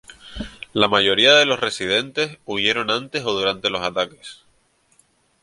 La mayoría de los residentes huyeron antes o durante los ataques.